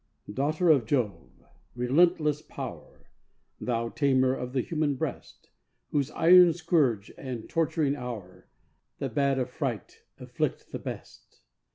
Daughter of Jove, relentless power, Thou tamer of the human breast, Whose iron scourge and torturing hour The bad affright, afflict the best!